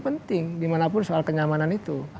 penting dimanapun soal kenyamanan itu